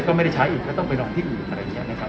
ก็ไม่ได้ใช้อีกก็ต้องไปลองที่อื่นอะไรอย่างนี้นะครับ